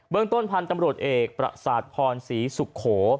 เมืองต้นพันธุ์ตำรวจเอกประสาทพรศรีสุโข